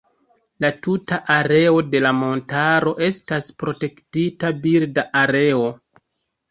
La tuta areo de la montaro estas Protektita birda areo.